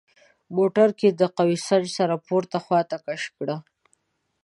موټرګی د قوه سنج سره پورته خواته کش کړئ.